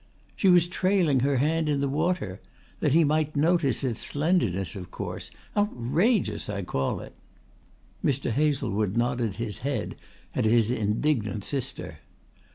"She was trailing her hand in the water that he might notice its slenderness of course. Outrageous I call it!" Mr. Hazlewood nodded his head at his indignant sister.